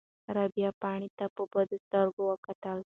رابعې پاڼې ته په بدو سترګو وکتل.